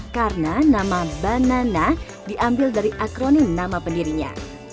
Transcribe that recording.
karena nama banana diambil dari akronim nama pendirinya